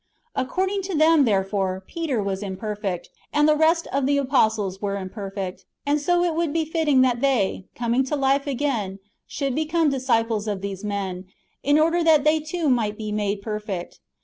According to them, therefore, Peter was imperfect, and the rest of the apostles were imperfect; and so it would be fitting that they, coming to life again, should become disciples of these men, in order that they too might be made perfect.